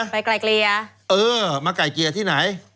ไกลเกลี่ยเออมาไกลเกลี่ยที่ไหน